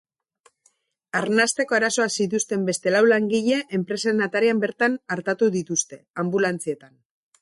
Arnasteko arazoak zituzten beste lau langile enpresaren atarian bertan artatu dituzte, anbulantzietan.